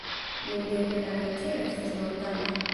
Nuntempe la glaĉero estas mortanta.